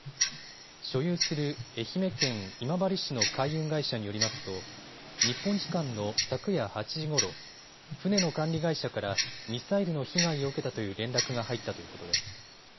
所有する愛媛県今治市の海運会社によりますと日本時間の昨夜８時ごろ、船の管理会社からミサイルの被害を受けたという連絡が入ったということです。